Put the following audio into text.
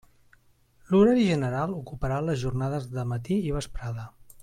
L'horari general ocuparà les jornades de matí i vesprada.